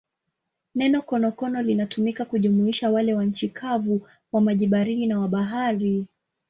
Neno konokono linatumika kujumuisha wale wa nchi kavu, wa maji baridi na wa bahari.